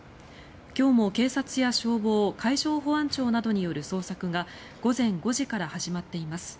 今日も警察や消防海上保安庁などによる捜索が午前５時から始まっています。